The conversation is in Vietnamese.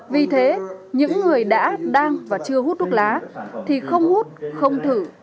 vì thế những người đã đang và chưa hút thuốc lá thì không hút không thử